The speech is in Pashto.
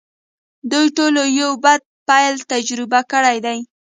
دوی ټولو یو بد پیل تجربه کړی دی